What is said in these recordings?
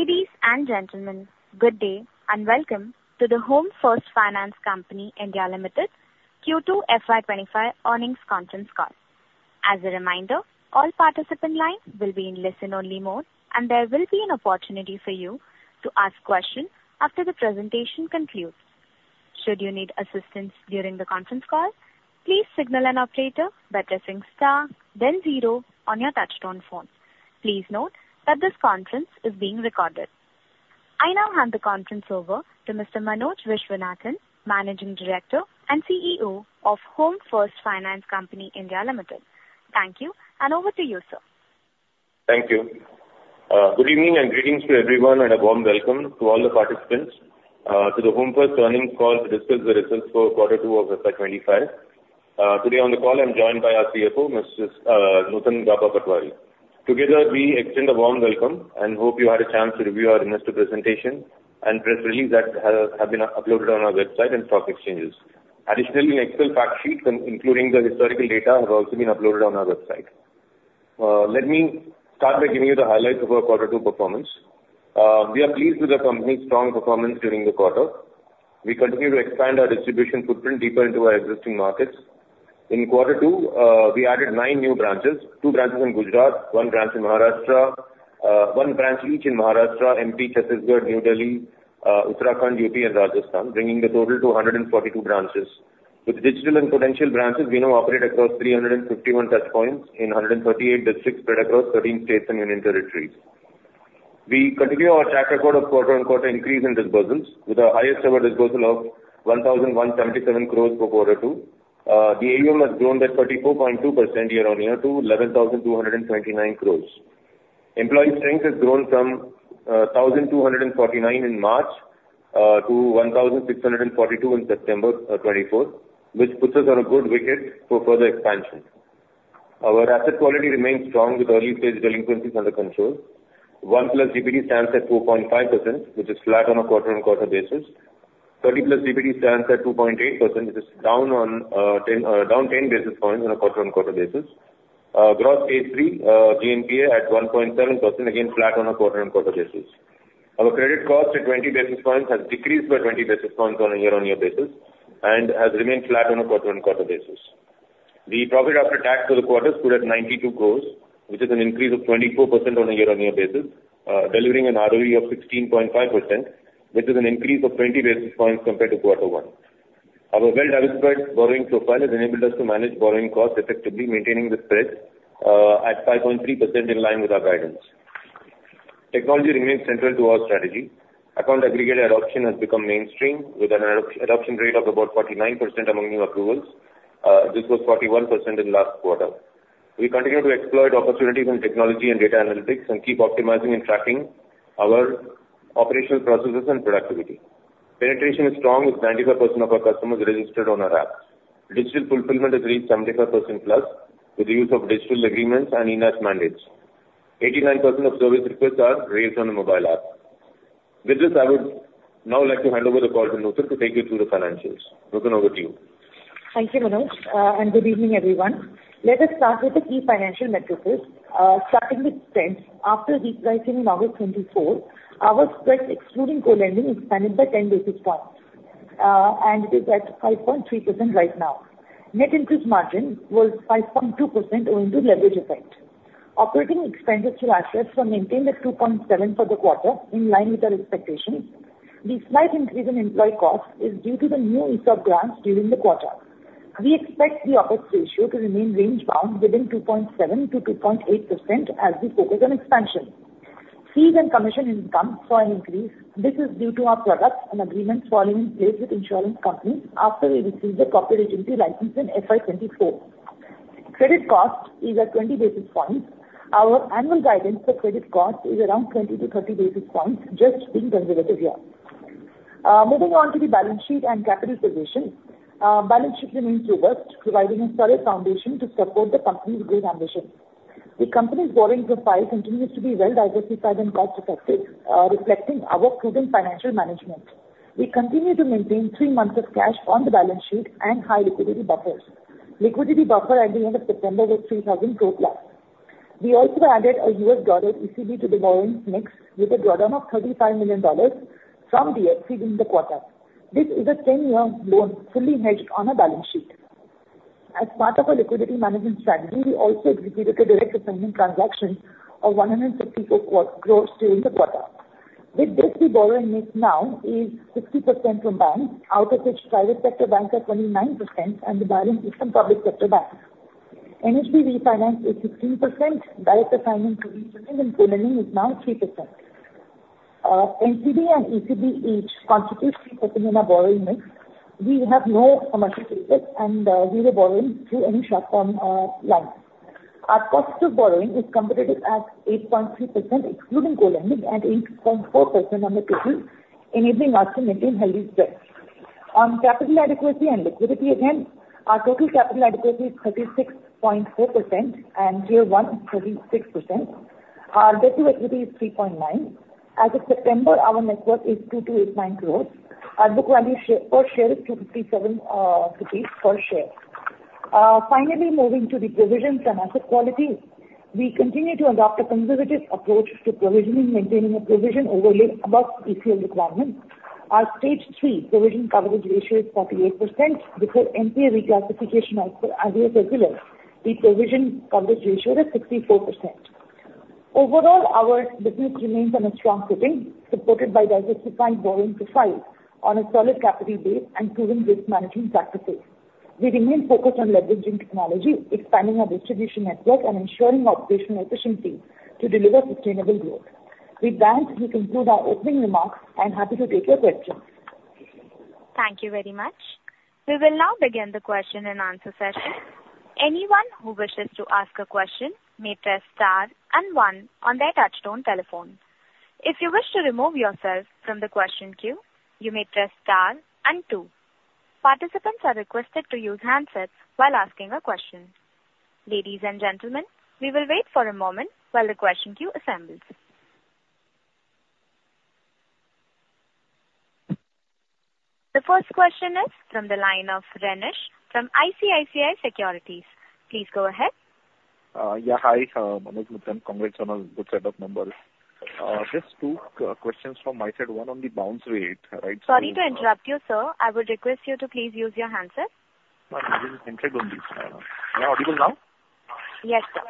Ladies and gentlemen, good day, and welcome to the Home First Finance Company India Limited Q2 FY twenty-five earnings conference call. As a reminder, all participant lines will be in listen-only mode, and there will be an opportunity for you to ask questions after the presentation concludes. Should you need assistance during the conference call, please signal an operator by pressing star then zero on your touchtone phone. Please note that this conference is being recorded. I now hand the conference over to Mr. Manoj Viswanathan, Managing Director and CEO of Home First Finance Company India Limited. Thank you, and over to you, sir. Thank you. Good evening and greetings to everyone, and a warm welcome to all the participants, to the Home First earnings call to discuss the results for quarter two of FY twenty-five. Today on the call, I'm joined by our CFO, Mrs. Nutan Gaba Patwari. Together, we extend a warm welcome and hope you had a chance to review our investor presentation and press release that have been uploaded on our website and stock exchanges. Additionally, Excel fact sheets, including the historical data, have also been uploaded on our website. Let me start by giving you the highlights of our quarter two performance. We are pleased with the company's strong performance during the quarter. We continue to expand our distribution footprint deeper into our existing markets. In quarter two, we added nine new branches, two branches in Gujarat, one branch in Maharashtra, one branch each in Maharashtra, MP, Chhattisgarh, New Delhi, Uttarakhand, UP, and Rajasthan, bringing the total to 142 branches. With digital and potential branches, we now operate across 351 touchpoints in 138 districts spread across 13 states and union territories. We continue our track record of quarter on quarter increase in disbursements with the highest ever disbursement of 1,177 crores for quarter two. The AUM has grown by 34.2% year-on-year to 11,229 crores. Employee strength has grown from 1,249 in March to 1,642 in September 2024, which puts us on a good wicket for further expansion. Our asset quality remains strong with early-phase delinquencies under control. 1+ DPD stands at 2.5%, which is flat on a quarter-on-quarter basis. 30+ DPD stands at 2.8%, which is down ten basis points on a quarter-on-quarter basis. Gross stage three GNPA at 1.7%, again, flat on a quarter-on-quarter basis. Our credit cost at 20 basis points has decreased by 20 basis points on a year-on-year basis and has remained flat on a quarter-on-quarter basis. The profit after tax for the quarter stood at 92 crores, which is an increase of 24% on a year-on-year basis, delivering an ROE of 16.5%, which is an increase of 20 basis points compared to quarter one. Our well-diversified borrowing profile has enabled us to manage borrowing costs, effectively maintaining the spread at 5.3% in line with our guidance. Technology remains central to our strategy. Account Aggregator adoption has become mainstream, with an adoption rate of about 49% among new approvals. This was 41% in last quarter. We continue to exploit opportunities in technology and data analytics and keep optimizing and tracking our operational processes and productivity. Penetration is strong, with 95% of our customers registered on our app. Digital fulfillment has reached 75% plus with the use of digital agreements and in-house mandates. 89% of service requests are raised on a mobile app. With this, I would now like to hand over the call to Nutan to take you through the financials. Nutan, over to you. Thank you, Manoj, and good evening, everyone. Let us start with the key financial metrics. Starting with spreads. After repricing in August 2024, our spreads, excluding co-lending, expanded by 10 basis points, and is at 5.3% right now. Net interest margin was 5.2% owing to leverage effect. Operating expenses to assets were maintained at 2.7% for the quarter, in line with our expectations. The slight increase in employee cost is due to the new ESOP grants during the quarter. We expect the OpEx ratio to remain range-bound within 2.7% to 2.8% as we focus on expansion. Fees and commission income saw an increase. This is due to our products and agreements put in place with insurance companies after we received the proper agency license in FY 2024. Credit cost is at 20 basis points. Our annual guidance for credit cost is around twenty to thirty basis points, just being conservative here. Moving on to the balance sheet and capital position. Balance sheet remains robust, providing a solid foundation to support the company's growth ambitions. The company's borrowing profile continues to be well diversified and cost effective, reflecting our prudent financial management. We continue to maintain three months of cash on the balance sheet and high liquidity buffers. Liquidity buffer at the end of September was 3,000 crore plus. We also added a US dollar ECB to the borrowing mix with a drawdown of $35 million from DFC during the quarter. This is a ten-year loan, fully hedged on our balance sheet. As part of our liquidity management strategy, we also executed a direct assignment transaction of 154 crore during the quarter. With this, the borrowing mix now is 60% from banks, out of which private sector banks are 29% and the balance is from public sector banks. NHB refinance is 16%, direct assignments is 13%, and co-lending is now 3%. NCD and ECB each constitutes 3% in our borrowing mix. We have no commercial paper and zero borrowing through any short-term line. Our cost of borrowing is competitive at 8.3%, excluding co-lending, and 8.4% on the total, enabling us to maintain healthy spreads. On capital adequacy and liquidity, again, our total capital adequacy is 36.4%, and Tier one is 36%. Our basic equity is 3.9%. As of September, our net worth is 2,289 crores. Our book value per share is 257 rupees per share. Finally, moving to the provisions and asset quality, we continue to adopt a conservative approach to provisioning, maintaining a provision overlay above PCR requirements. Our stage three provision coverage ratio is 48%, because NPA reclassification as per RBI circular, the provision coverage ratio is 64%. Overall, our business remai ns on a strong footing, supported by diversified borrowing profile on a solid capital base and proven risk management practices. We remain focused on leveraging technology, expanding our distribution network and ensuring operational efficiency to deliver sustainable growth. With that, we conclude our opening remarks, and happy to take your questions. Thank you very much. We will now begin the question and answer session. Anyone who wishes to ask a question may press star and one on their touchtone telephone. If you wish to remove yourself from the question queue, you may press star and two. Participants are requested to use handsets while asking a question. Ladies and gentlemen, we will wait for a moment while the question queue assembles. The first question is from the line of Ganesh from ICICI Securities. Please go ahead. Yeah, hi, Manoj Viswanathan. Congrats on a good set of numbers. Just two questions from my side, one on the bounce rate, right? Sorry to interrupt you, sir. I would request you to please use your handset. No, I'm using handset only. You are audible now? Yes, sir.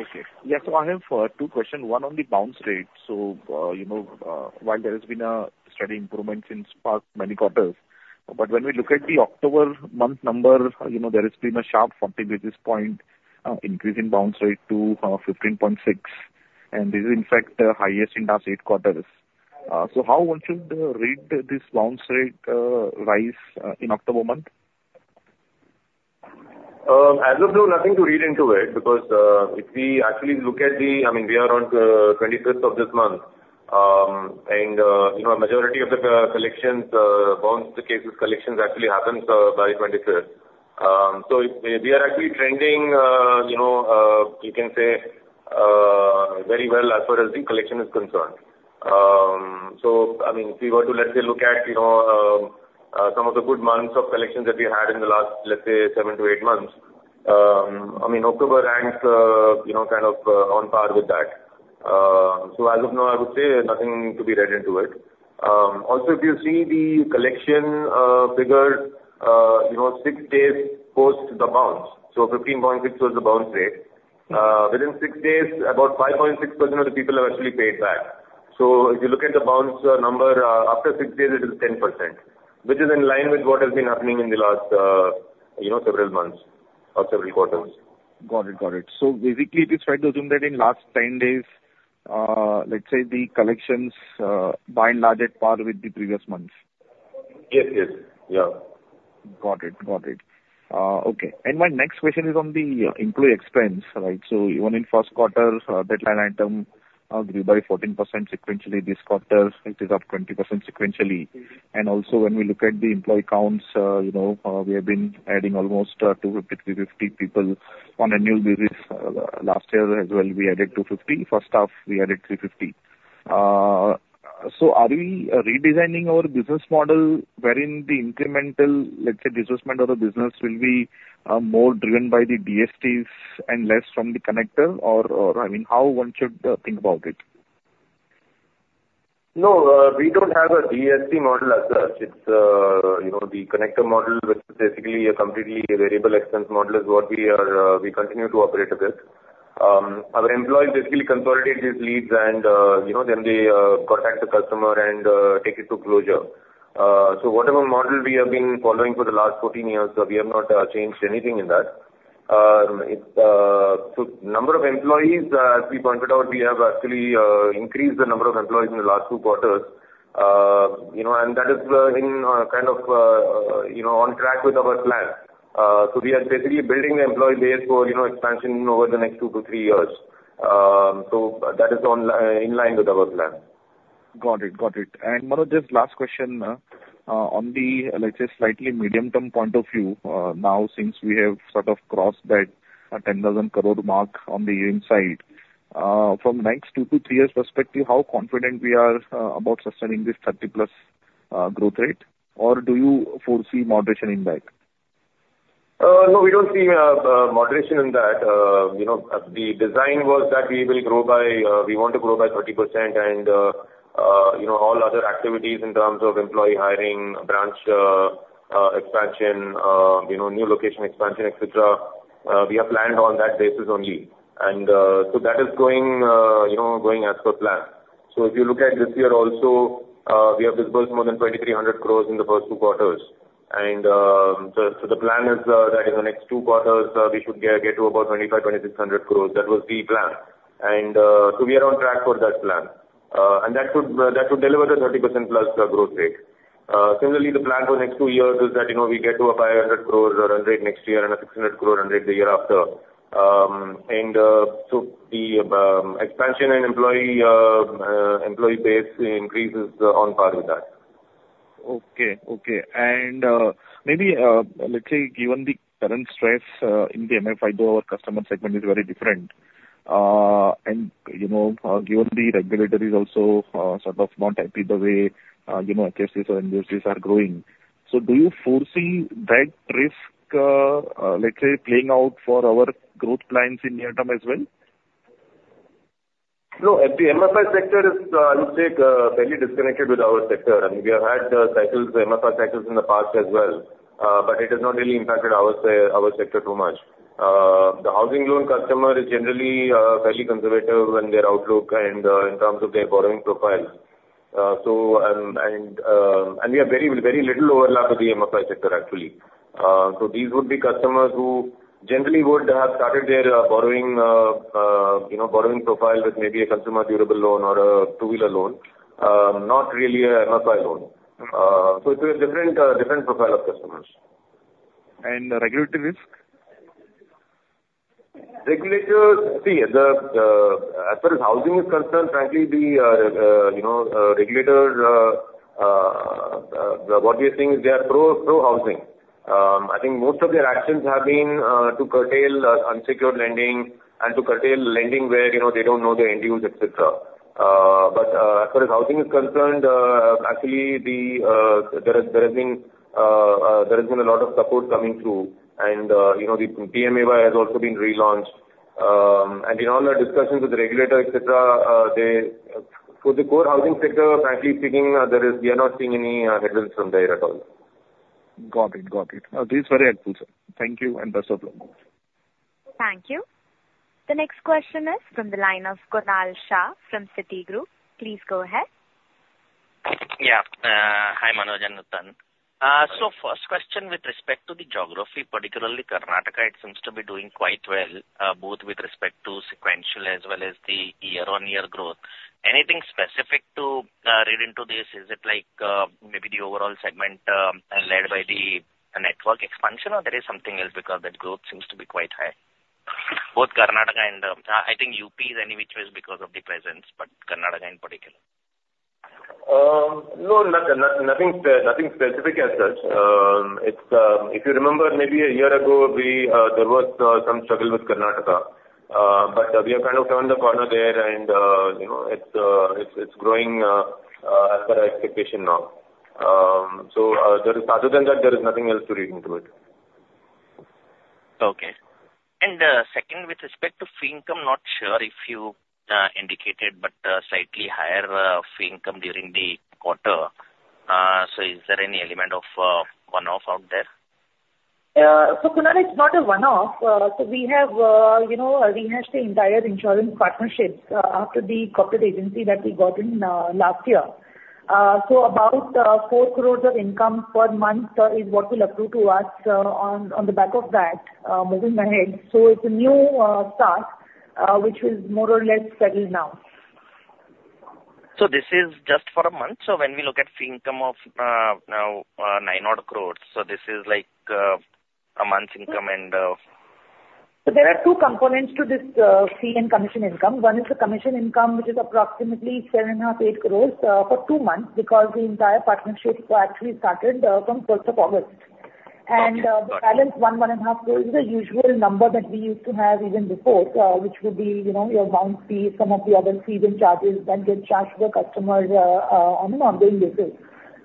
Okay. Yes, so I have two questions, one on the bounce rate. So you know, while there has been a steady improvement since past many quarters, but when we look at the October month number, you know, there has been a sharp 40 basis points increase in bounce rate to 15.6, and this is, in fact, the highest in last 8 quarters. So how one should read this bounce rate rise in October month? As of now, nothing to read into it, because, if we actually look at the... I mean, we are on twenty-fifth of this month, and, you know, a majority of the collections, bounce cases, collections actually happens by twenty-fifth. So we are actually trending, you know, you can say very well as far as the collection is concerned. So, I mean, if you were to, let's say, look at, you know, some of the good months of collections that we had in the last, let's say, seven to eight months, I mean, October ranks, you know, kind of on par with that. So as of now, I would say nothing to be read into it. Also, if you see the collection figures, you know, six days post the bounce, so 15.6 was the bounce rate. Within six days, about 5.6% of the people have actually paid back. So if you look at the bounce number after six days, it is 10%, which is in line with what has been happening in the last, you know, several months or several quarters. Got it. Got it. So basically, it is fair to assume that in last ten days, let's say the collections, by and large are at par with the previous months? Yes, yes. Yeah. Got it. Got it. Okay. And my next question is on the employee expense, right? So even in first quarter, that line item grew by 14% sequentially. This quarter, it is up 20% sequentially. And also, when we look at the employee counts, you know, we have been adding almost 250, 350 people on annual basis. Last year as well, we added 250. First half, we added 350. So are we redesigning our business model wherein the incremental, let's say, disbursement of the business will be more driven by the DSTs and less from the connector? Or, I mean, how one should think about it? No, we don't have a DST model as such. It's, you know, the connector model, which is basically a completely variable expense model, is what we are, we continue to operate with. Our employees basically consolidate these leads and, you know, then they contact the customer and take it to closure, so whatever model we have been following for the last fourteen years, we have not changed anything in that, so number of employees, as we pointed out, we have actually increased the number of employees in the last two quarters. You know, and that is, in kind of, you know, on track with our plan, so we are basically building the employee base for, you know, expansion over the next two to three years. So that is in line with our plan. Got it. Got it. And Manoj, just last question, on the, let's say, slightly medium term point of view, now since we have sort of crossed that, ten thousand crore mark on the AUM side, from next two to three years perspective, how confident we are, about sustaining this thirty plus, growth rate, or do you foresee moderation in that? No, we don't see moderation in that. You know, the design was that we will grow by. We want to grow by 30% and you know, all other activities in terms of employee hiring, branch expansion, you know, new location expansion, et cetera, we have planned on that basis only. And so that is going, you know, going as per plan. So if you look at this year also, we have disbursed more than 2,300 crore in the first two quarters. And so the plan is that in the next two quarters, we should get to about 2,500-2,600 crore. That was the plan. And so we are on track for that plan. And that would deliver the 30% plus growth rate. Similarly, the plan for next two years is that, you know, we get to a 500 crore run rate next year and a 600 crore run rate the year after. So the expansion and employee base increase is on par with that. Okay. Okay. And maybe let's say, given the current stress in the MSME, our customer segment is very different, and you know, given the regulators also sort of not happy the way you know HFCs or NBFCs are growing. So do you foresee that risk, let's say, playing out for our growth plans in near term as well? No, the MFI sector is, I would say, fairly disconnected with our sector, and we have had cycles, the MFI cycles in the past as well, but it has not really impacted our sector too much. The housing loan customer is generally fairly conservative in their outlook and, in terms of their borrowing profile. And we have very, very little overlap with the MFI sector, actually. So these would be customers who generally would have started their borrowing, you know, borrowing profile with maybe a consumer durable loan or a two-wheeler loan, not really a MFI loan. So it's a different, different profile of customers. Regulatory risk? Regulators, see, the as far as housing is concerned, frankly, you know, regulators, what we are seeing is they are pro-housing. I think most of their actions have been to curtail unsecured lending and to curtail lending where, you know, they don't know the end use, et cetera. But as far as housing is concerned, actually, there has been a lot of support coming through and, you know, the PMAY has also been relaunched. And in all our discussions with the regulator, et cetera, they, for the core housing sector, frankly speaking, there is, we are not seeing any headwinds from there at all. Got it. Got it. This is very helpful, sir. Thank you, and best of luck. Thank you. The next question is from the line of Kunal Shah from Citigroup. Please go ahead. Yeah. Hi, Manoj and Nutan. So first question with respect to the geography, particularly Karnataka, it seems to be doing quite well, both with respect to sequential as well as the year-on-year growth. Anything specific to read into this? Is it like maybe the overall segment led by the network expansion, or there is something else? Because the growth seems to be quite high. Both Karnataka and I think UP is anyway choice because of the presence, but Karnataka in particular. No, nothing specific as such. It's, if you remember, maybe a year ago, there was some struggle with Karnataka. But we have kind of turned the corner there, and you know, it's growing as per our expectation now. So, there is, other than that, there is nothing else to read into it. Okay. And, second, with respect to fee income, not sure if you indicated, but, slightly higher fee income during the quarter. So is there any element of one-off out there? So Kunal, it's not a one-off. So we have, you know, rehashed the entire insurance partnerships after the corporate agency that we got in last year. So about four crores of income per month is what will accrue to us on the back of that moving ahead. So it's a new start which is more or less settled now. This is just for a month. When we look at fee income of now nine odd crores, so this is like a month's income and... So there are two components to this, fee and commission income. One is the commission income, which is approximately 7.5-8 crores for two months, because the entire partnership actually started from first of August. Okay. And, the balance 1-1.5 crore is the usual number that we used to have even before, which would be, you know, your loan fee, some of the other fees and charges that get charged to the customer on an ongoing basis.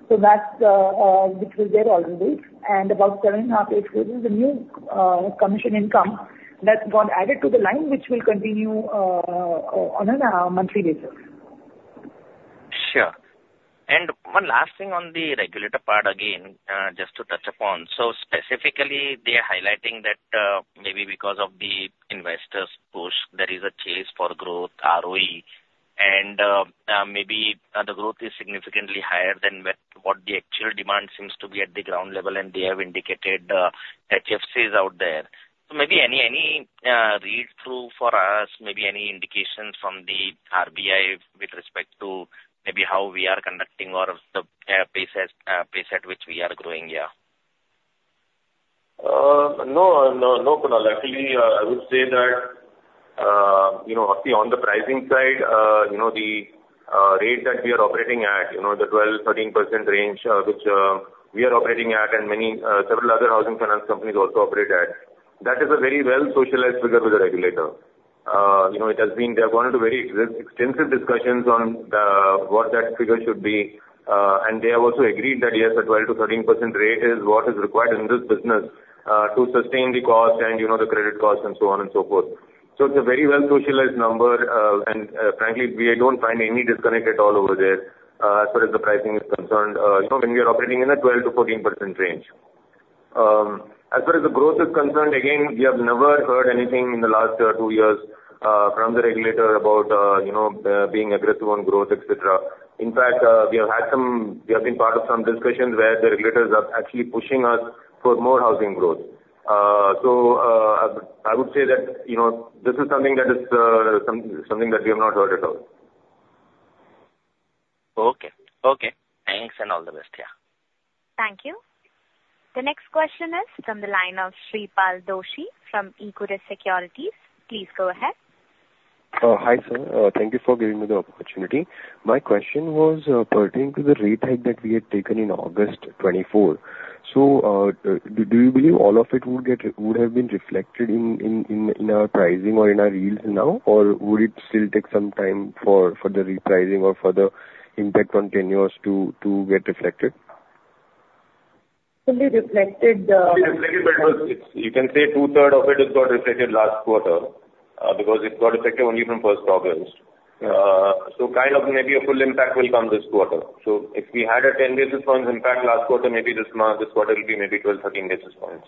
So that's which was there already. And about 7.5-8 crores is the new commission income that got added to the line, which will continue on a monthly basis. Sure. And one last thing on the regulator part again, just to touch upon. So specifically, they are highlighting that, maybe because of the investors' push, there is a chase for growth, ROE, and, maybe, the growth is significantly higher than what the actual demand seems to be at the ground level, and they have indicated HFCs out there. So maybe any read-through for us, maybe any indications from the RBI with respect to maybe how we are conducting or the pace at which we are growing, yeah? No, no, Kunal. Actually, I would say that, you know, see, on the pricing side, you know, the rate that we are operating at, you know, the 12-13% range, which we are operating at and many several other housing finance companies also operate at, that is a very well-socialized figure with the regulator. You know, it has been... They have gone into very extensive discussions on what that figure should be. And they have also agreed that, yes, a 12-13% rate is what is required in this business, to sustain the cost and, you know, the credit cost, and so on and so forth. So it's a very well-socialized number. Frankly, we don't find any disconnect at all over there, as far as the pricing is concerned, you know, when we are operating in a 12-14% range. As far as the growth is concerned, again, we have never heard anything in the last two years from the regulator about, you know, being aggressive on growth, et cetera. In fact, we have been part of some discussions where the regulators are actually pushing us for more housing growth. I would say that, you know, this is something that we have not heard at all. Okay. Okay. Thanks, and all the best. Yeah. Thank you. The next question is from the line of Sripal Doshi from Equirus Securities. Please go ahead.... Hi, sir. Thank you for giving me the opportunity. My question was pertaining to the rate hike that we had taken in August 2024. So, do you believe all of it would get, would have been reflected in our pricing or in our yields now? Or would it still take some time for the repricing or for the impact on tenures to get reflected? Will be reflected. Will be reflected, but it's... You can say two-thirds of it has got reflected last quarter, because it got reflected only from first August. So kind of maybe a full impact will come this quarter. So if we had a 10 basis points impact last quarter, maybe this quarter, this quarter will be maybe 12-13 basis points.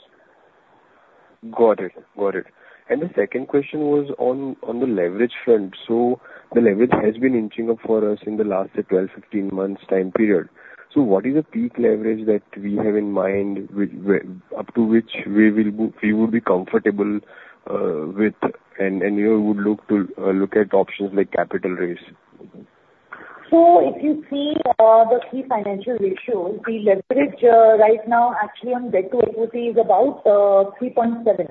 Got it. Got it. And the second question was on, on the leverage front. So the leverage has been inching up for us in the last, twelve, fifteen months' time period. So what is the peak leverage that we have in mind, which, up to which we will be, we would be comfortable, with and, and you would look to, look at options like capital raise? So if you see, the key financial ratios, the leverage, right now actually on debt to equity is about 3.7.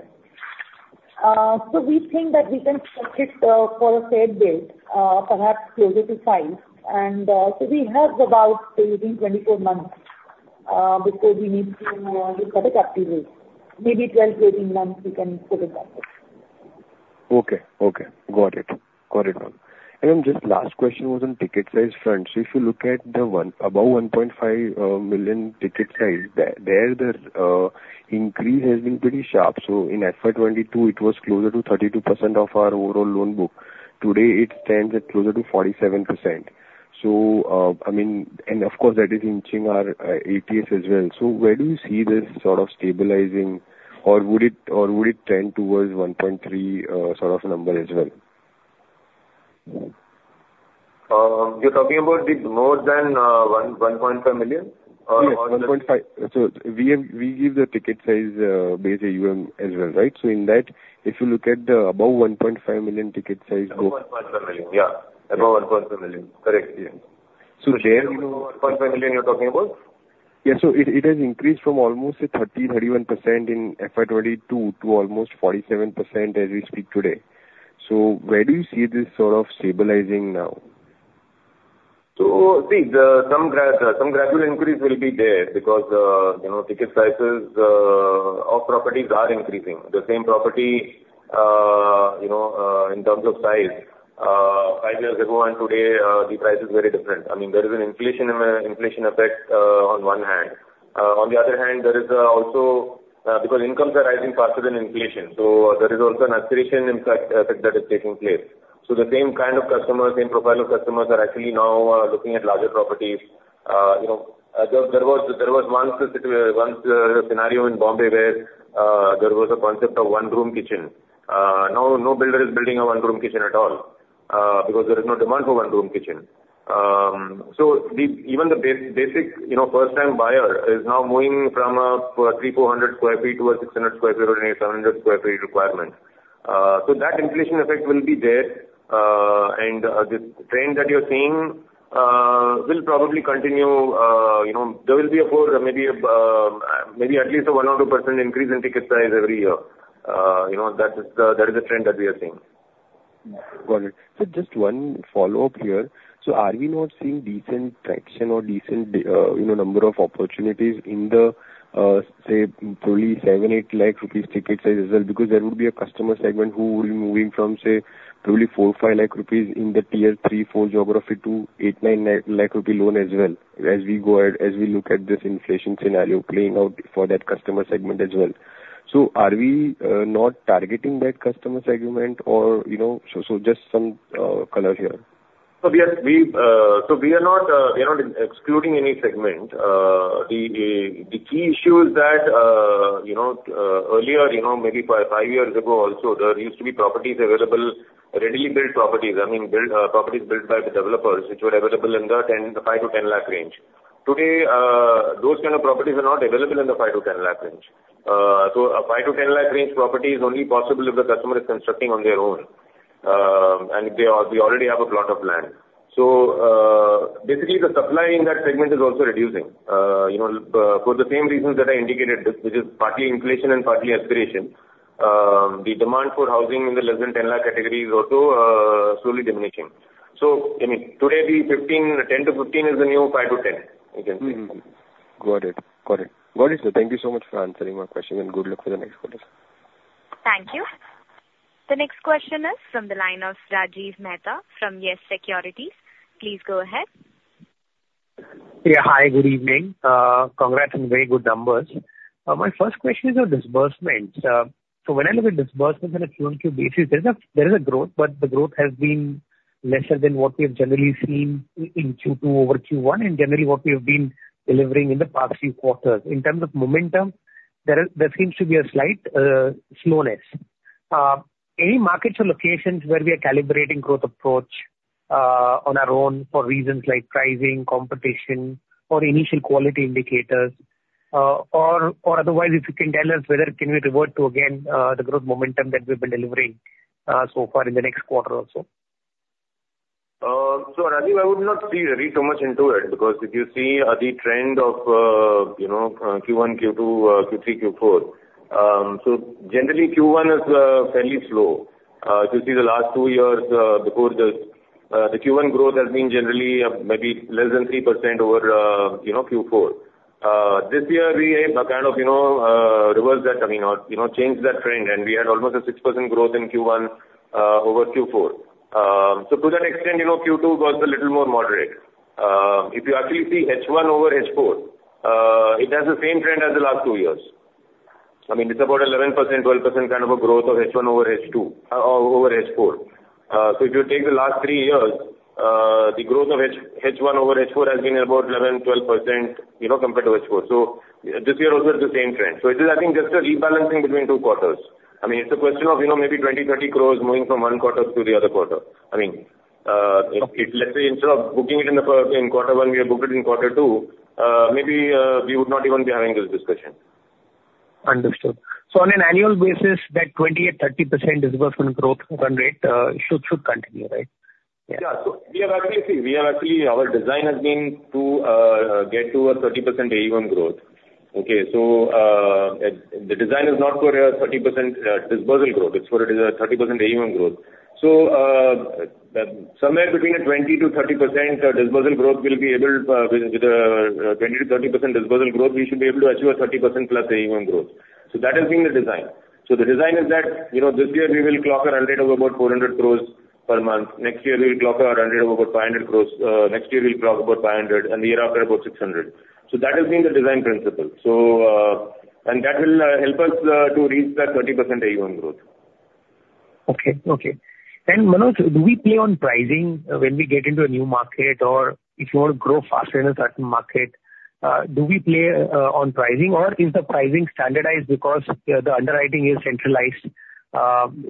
So we think that we can keep it for a fair bit, perhaps closer to 5. And so we have about maybe 24 months before we need to look at a capital raise. Maybe 12-18 months, we can put it back. Okay. Okay. Got it. Got it all. And just last question was on ticket size front. So if you look at the above 1.5 million ticket size, there, the increase has been pretty sharp. So in FY 2022, it was closer to 32% of our overall loan book. Today, it stands at closer to 47%. So, I mean, and of course, that is inching our ATS as well. So where do you see this sort of stabilizing, or would it tend towards 1.3 sort of number as well? You're talking about the more than 1.5 million? Or- Yes, one point five. So we have we give the ticket size based AUM as well, right? So in that, if you look at the above one point five million ticket size- Above 1.5 million, yeah. Above 1.5 million, correct, yeah. So there, you know- 1.5 million you're talking about? Yeah, so it has increased from almost a 31% in FY 2022 to almost 47% as we speak today. So where do you see this sort of stabilizing now? So see, some gradual increase will be there because, you know, ticket sizes of properties are increasing. The same property, you know, in terms of size, five years ago and today, the price is very different. I mean, there is an inflation effect on one hand. On the other hand, there is also, because incomes are rising faster than inflation, so there is also an acceleration effect that is taking place. So the same kind of customers, same profile of customers are actually now looking at larger properties. You know, there was once a scenario in Mumbai where there was a concept of one room kitchen. Now no builder is building a one-room kitchen at all, because there is no demand for one-room kitchen. So even the basic, you know, first-time buyer is now moving from 300-400 sq ft to 600 sq ft or 700 sq ft requirement. So that inflation effect will be there, and the trend that you're seeing will probably continue. You know, there will be, of course, maybe at least a 1% or 2% increase in ticket size every year. You know, that is the trend that we are seeing. Got it. So just one follow-up here: So are we not seeing decent traction or decent, you know, number of opportunities in the, say, probably seven, eight lakh rupees ticket size as well? Because there would be a customer segment who will be moving from, say, probably four, five lakh rupees in the tier-three, four geography to eight, nine lakh rupee loan as well, as we go ahead, as we look at this inflation scenario playing out for that customer segment as well. So are we not targeting that customer segment or, you know? So just some color here? We are not excluding any segment. The key issue is that, you know, earlier, you know, maybe five years ago also, there used to be properties available, readily built properties, I mean, properties built by the developers, which were available in the 5-10 lakh range. Today, those kind of properties are not available in the 5-10 lakh range. So a 5-10 lakh range property is only possible if the customer is constructing on their own, and if they already have a plot of land. So, basically the supply in that segment is also reducing, you know, for the same reasons that I indicated, which is partly inflation and partly aspiration. The demand for housing in the less than 10 lakh category is also slowly diminishing, so I mean, today the 15, the 10 to 15 is the new 5 to 10, you can say. Mm-hmm. Got it. Got it. Got it, sir. Thank you so much for answering my question, and good luck for the next quarter. Thank you. The next question is from the line of Rajiv Mehta from YES Securities. Please go ahead. Yeah, hi, good evening. Congrats on very good numbers. My first question is on disbursements. So when I look at disbursements on a Q on Q basis, there is a growth, but the growth has been lesser than what we have generally seen in Q2 over Q1, and generally what we have been delivering in the past few quarters. In terms of momentum, there seems to be a slight slowness. Any markets or locations where we are calibrating growth approach on our own for reasons like pricing, competition, or initial quality indicators? Or otherwise, if you can tell us whether can we revert to again the growth momentum that we've been delivering so far in the next quarter also?... So Rajeev, I would not read really so much into it, because if you see the trend of, you know, from Q1, Q2, Q3, Q4, so generally Q1 is fairly slow. If you see the last two years before this, the Q1 growth has been generally maybe less than 3% over, you know, Q4. This year we kind of, you know, reversed that, I mean, or, you know, changed that trend, and we had almost a 6% growth in Q1 over Q4. So to that extent, you know, Q2 was a little more moderate. If you actually see H1 over H4, it has the same trend as the last two years. I mean, it's about 11%, 12% kind of a growth of H1 over H2 over H4. If you take the last three years, the growth of H, H1 over H4 has been about 11-12%, you know, compared to H4. This year also is the same trend. It is, I think, just a rebalancing between two quarters. I mean, it's a question of, you know, maybe 20-30 crores moving from one quarter to the other quarter. I mean, if let's say, instead of booking it in the first quarter one, we have booked it in quarter two, maybe we would not even be having this discussion. Understood. So on an annual basis, that 20% or 30% disbursement growth run rate should continue, right? Yeah. So we are actually. Our design has been to get to a 30% AUM growth. Okay, so the design is not for a 30% disbursement growth, it's for a 30% AUM growth. So somewhere between a 20%-30% disbursement growth, we'll be able to, with the 20%-30% disbursement growth, we should be able to achieve a 30% plus AUM growth. So that has been the design. So the design is that, you know, this year we will clock a run rate of about 400 crore per month. Next year, we will clock our run rate of about 500 crore. Next year we'll clock about 500, and the year after, about 600. So that has been the design principle. So, and that will help us to reach that 30% AUM growth. Okay. Okay. And Manoj, do we play on pricing when we get into a new market? Or if you want to grow faster in a certain market, do we play on pricing or is the pricing standardized because the underwriting is centralized?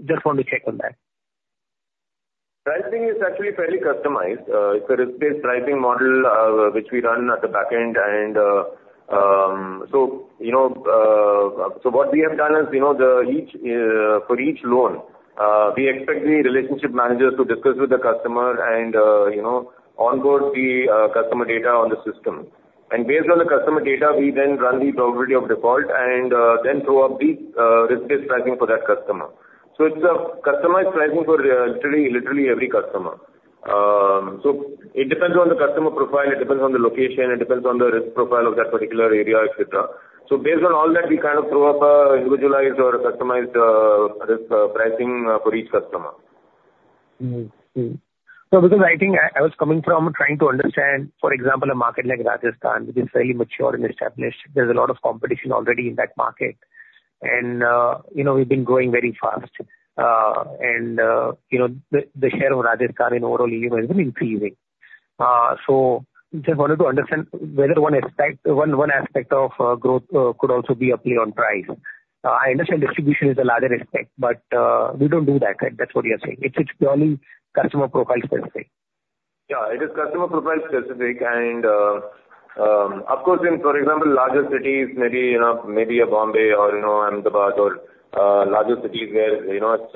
Just want to check on that. Pricing is actually fairly customized. It's a risk-based pricing model, which we run at the back end and, so, you know, so what we have done is, you know, for each loan, we expect the relationship managers to discuss with the customer and, you know, onboard the customer data on the system. And based on the customer data, we then run the probability of default and, then throw up the risk-based pricing for that customer. So it's a customized pricing for, literally every customer. So it depends on the customer profile, it depends on the location, it depends on the risk profile of that particular area, et cetera. So based on all that, we kind of throw up a individualized or a customized, risk pricing for each customer. No, because I think I was coming from trying to understand, for example, a market like Rajasthan, which is fairly mature and established. There's a lot of competition already in that market. And, you know, we've been growing very fast. And, you know, the share of Rajasthan in overall AUM has been increasing. So just wanted to understand whether one aspect of growth could also be a play on price. I understand distribution is a larger aspect, but we don't do that, right? That's what you're saying. It's purely customer profile specific. Yeah, it is customer profile specific. And, of course, in, for example, larger cities, maybe, you know, maybe a Mumbai or, you know, Ahmedabad or, larger cities where, you know, it's.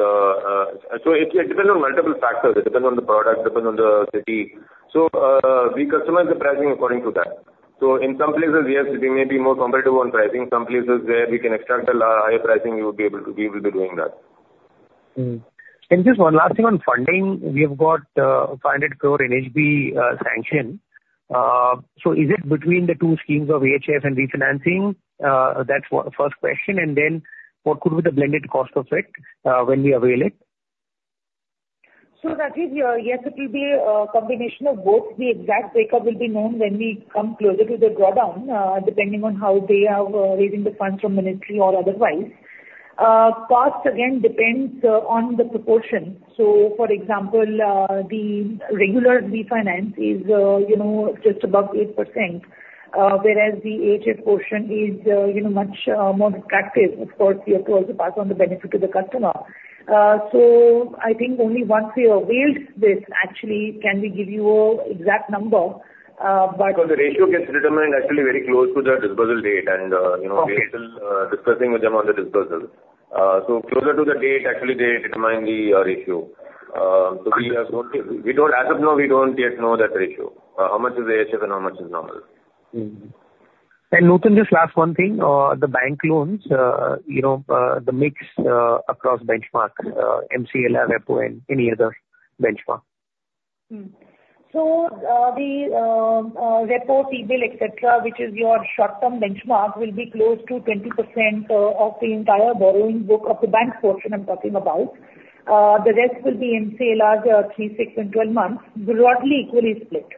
So it depends on multiple factors. It depends on the product, depends on the city. So, we customize the pricing according to that. So in some places, yes, we may be more competitive on pricing. Some places where we can extract a la- higher pricing, we would be able to, we will be doing that. And just one last thing on funding. We have got 500 crore NHB sanction. So is it between the two schemes of AHF and refinancing? That's one, first question, and then what could be the blended cost of it when we avail it? That is, yes, it will be a combination of both. The exact breakup will be known when we come closer to the drawdown, depending on how they are raising the funds from ministry or otherwise. Cost again depends on the proportion. So, for example, the regular refinance is, you know, just above 8%, whereas the AHF portion is, you know, much more attractive. Of course, we have to also pass on the benefit to the customer. So I think only once we availed this, actually, can we give you an exact number, but- Because the ratio gets determined actually very close to the disbursement date, and. Okay. you know, we are still discussing with them on the disbursement. So closer to the date, actually, they determine the ratio. So we have- I see. We don't, as of now, we don't yet know that ratio, how much is AHF and how much is normal. Mm-hmm. And Nutan, just last one thing, the bank loans, you know, the mix, across benchmark, MCLR, repo, and any other benchmark? So, the repo, T-bill, et cetera, which is your short-term benchmark, will be close to 20% of the entire borrowing book of the bank portion I'm talking about. The rest will be MCLR, three, six, and 12 months, broadly equally split.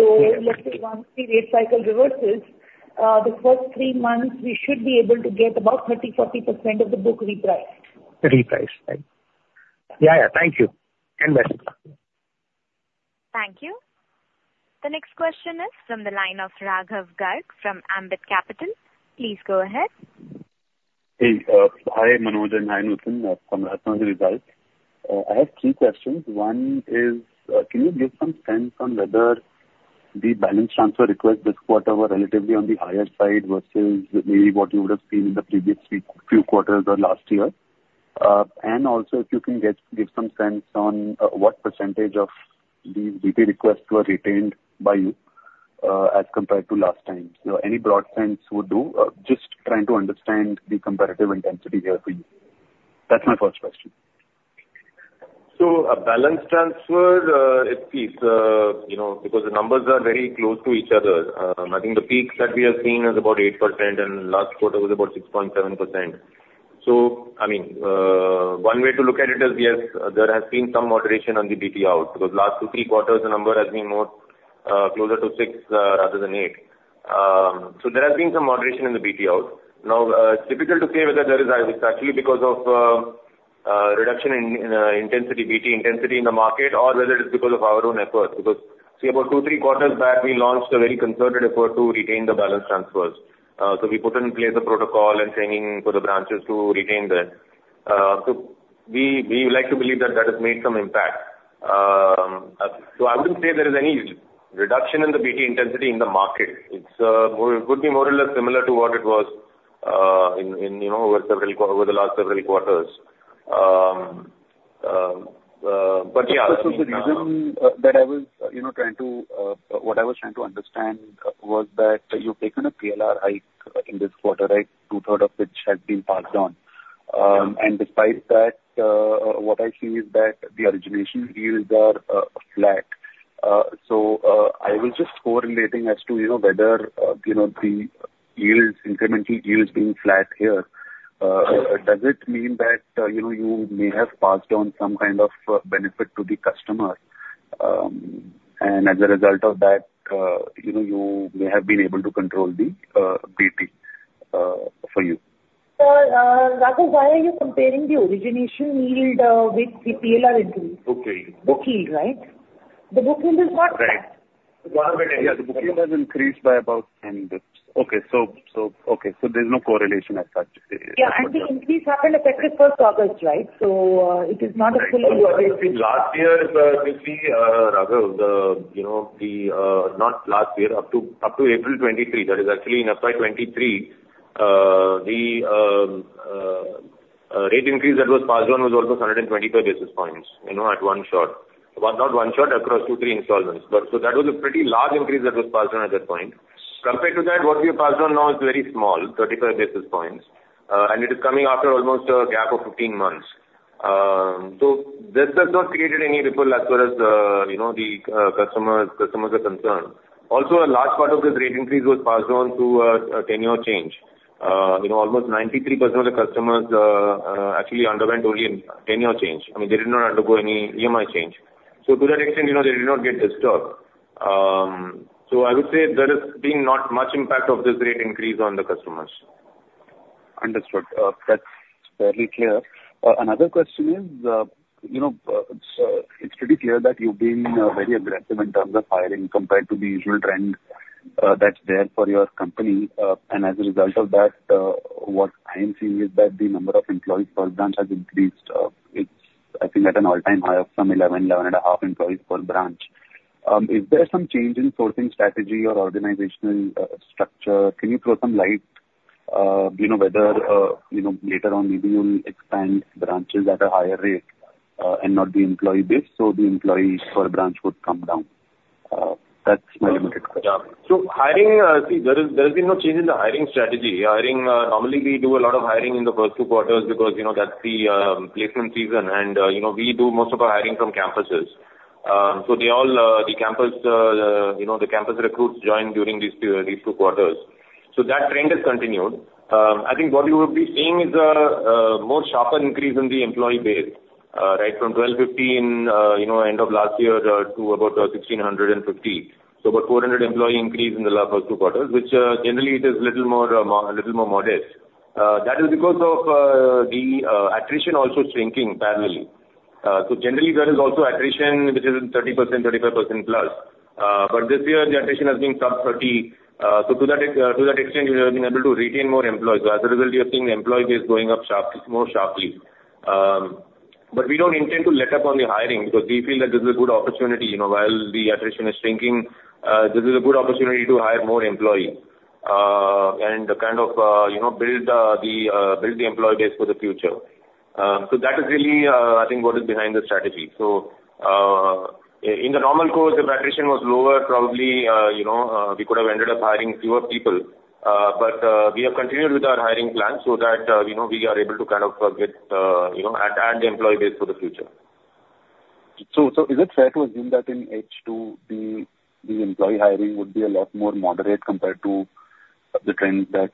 Okay. So let's say once the rate cycle reverses, the first three months, we should be able to get about 30-40% of the book repriced. Repriced. Right. Yeah, yeah, thank you, and bye. Thank you. The next question is from the line of Raghav Garg from Ambit Capital. Please go ahead. Hey, hi, Manoj, and hi, Nutan, from Rajasthan Results. I have three questions. One is, can you give some sense on whether the balance transfer requests this quarter were relatively on the higher side versus maybe what you would have seen in the previous few quarters or last year. And also, if you can give some sense on, what percentage of the BT requests were retained by you, as compared to last time. So any broad sense would do. Just trying to understand the comparative intensity there for you. That's my first question. So a balance transfer, it is, you know, because the numbers are very close to each other. I think the peaks that we have seen is about 8%, and last quarter was about 6.7%. So, I mean, one way to look at it is, yes, there has been some moderation on the BT out, because last two, three quarters, the number has been more, closer to six, rather than eight. So there has been some moderation in the BT out. Now, it's difficult to say whether there is, it's actually because of, reduction in, intensity, BT intensity in the market, or whether it's because of our own effort. Because, see, about two, three quarters back, we launched a very concerted effort to retain the balance transfers. So we put in place a protocol and training for the branches to retain that. So we would like to believe that that has made some impact. So I wouldn't say there is any reduction in the BT intensity in the market. It's more, could be more or less similar to what it was in you know over the last several quarters. But yeah, I mean. This was the reason that I was, you know, trying to what I was trying to understand was that you've taken a PLR hike in this quarter, right? Two-thirds of which has been passed on. And despite that, what I see is that the origination yields are flat. So, I was just correlating as to, you know, whether, you know, the yields, incrementally yields being flat here, does it mean that, you know, you may have passed down some kind of benefit to the customer, and as a result of that, you know, you may have been able to control the BT for you? Sir, Raghav, why are you comparing the origination yield with the PLR increase? Okay. Book yield, right? The book yield is not flat. Right. Yeah, the book yield has increased by about ten basis points. Okay. So, there's no correlation as such. Yeah, and the increase happened effective first August, right? So, it is not a full year basis. Last year, you see, Raghav, the, you know, not last year, up to April 2023, that is actually in FY 2023, the rate increase that was passed on was almost 125 basis points, you know, at one shot. Well, not one shot, across two, three installments. But, so that was a pretty large increase that was passed on at that point. Compared to that, what we have passed on now is very small, 35 basis points, and it is coming after almost a gap of 15 months. So this has not created any ripple as far as, you know, the customers are concerned. Also, a large part of this rate increase was passed on through a tenure change. You know, almost 93% of the customers actually underwent only a tenure change. I mean, they did not undergo any EMI change. So to that extent, you know, they did not get disturbed. So I would say there has been not much impact of this rate increase on the customers. Understood. That's fairly clear. Another question is, you know, it's pretty clear that you've been very aggressive in terms of hiring compared to the usual trend that's there for your company. And as a result of that, what I am seeing is that the number of employees per branch has increased. It's, I think, at an all-time high of some 11, 11.5 employees per branch. Is there some change in sourcing strategy or organizational structure? Can you throw some light, you know, whether, you know, later on, maybe you'll expand branches at a higher rate, and not the employee base, so the employee per branch would come down? That's my limited question. Yeah. So hiring, see, there is, there has been no change in the hiring strategy. Hiring, normally, we do a lot of hiring in the first two quarters because, you know, that's the placement season, and, you know, we do most of our hiring from campuses. So they all, the campus, you know, the campus recruits join during these two quarters. So that trend has continued. I think what you would be seeing is a more sharper increase in the employee base, right? From 1,215, you know, end of last year, to about 1,650. So about 400 employee increase in the last first two quarters, which, generally it is little more, a little more modest. That is because of the attrition also shrinking parallelly. So generally, there is also attrition, which is 30%-35% plus. But this year, the attrition has been sub 30. So to that extent, we have been able to retain more employees. So as a result, you're seeing the employee base going up sharply, more sharply. But we don't intend to let up on the hiring, because we feel that this is a good opportunity, you know, while the attrition is shrinking, this is a good opportunity to hire more employees, and kind of, you know, build the employee base for the future. So that is really, I think, what is behind the strategy. So, in the normal course, if attrition was lower, probably, you know, we could have ended up hiring fewer people. But we have continued with our hiring plan so that, you know, we are able to kind of get, you know, add the employee base for the future. So is it fair to assume that in H2, the employee hiring would be a lot more moderate compared to the trends that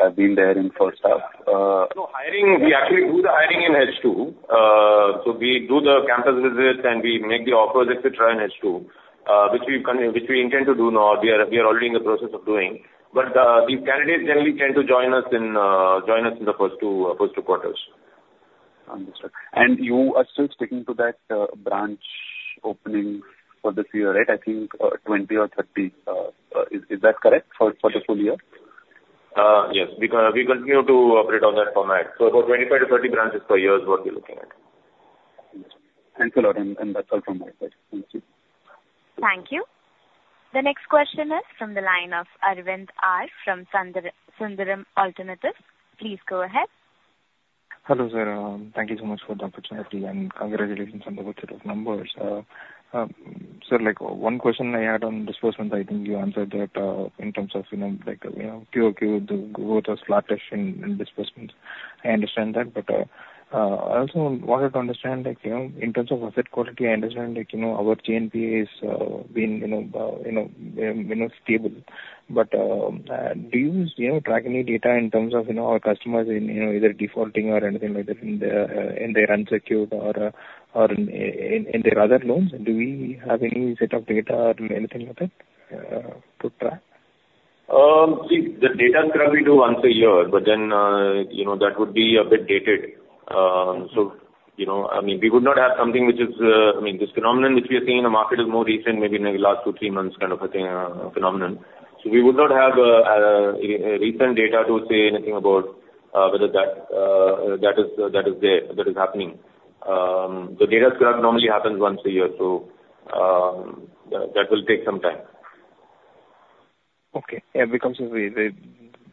have been there in first half? No, hiring, we actually do the hiring in H2. So we do the campus visits, and we make the offers, et cetera, in H2, which we intend to do now. We are already in the process of doing. But the candidates generally tend to join us in the first two quarters. Understood. And you are still sticking to that, branch opening for this year, right? I think, twenty or thirty. Is that correct, for the full year? Yes, we continue to operate on that format. So about 25 to 30 branches per year is what we're looking at.... Thanks a lot, and that's all from my side. Thank you. Thank you. The next question is from the line of Arvind R from Sundaram Alternates. Please go ahead. Hello, sir. Thank you so much for the opportunity, and congratulations on the good set of numbers. Sir, like, one question I had on disbursements. I think you answered that in terms of, you know, like, you know, QOQ, the growth was flattish in disbursements. I understand that, but I also wanted to understand, like, you know, in terms of asset quality. I understand, like, you know, our GNPA is being, you know, stable. But do you, you know, track any data in terms of, you know, our customers in, you know, either defaulting or anything like that in their unsecured or in their other loans? Do we have any set of data or anything like that to track? See, the data scrub we do once a year, but then, you know, that would be a bit dated. So, you know, I mean, we would not have something which is. I mean, this phenomenon which we are seeing in the market is more recent, maybe in the last two, three months, kind of a thing, phenomenon. So we would not have recent data to say anything about whether that, that is, that is happening. The data scrub normally happens once a year, so that will take some time. Okay. Yeah, because of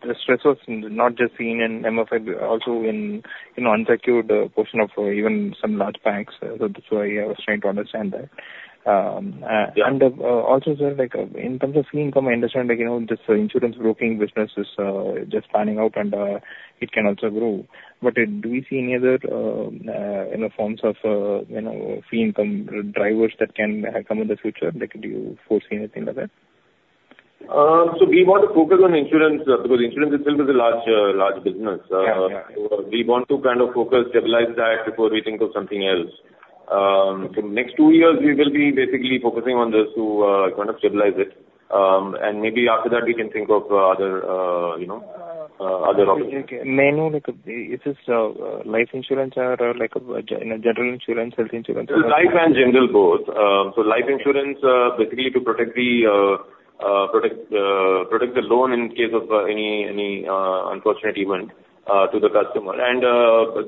the stressors not just seen in MFI, but also in, you know, unsecured portion of even some large banks. So that's why I was trying to understand that. Yeah. And, also, sir, like, in terms of fee income, I understand that, you know, this insurance broking business is just panning out, and it can also grow. But it, do we see any other, you know, forms of, you know, fee income drivers that can come in the future? Like, do you foresee anything like that? So we want to focus on insurance, because insurance itself is a large, large business. Yeah. Yeah. So we want to kind of focus, stabilize that before we think of something else. So next two years, we will be basically focusing on this to kind of stabilize it. And maybe after that, we can think of other, you know, other options. Okay. Mainly, like, is this life insurance or like a, you know, general insurance, health insurance? Life and general both. So life insurance basically to protect the loan in case of any unfortunate event to the customer. And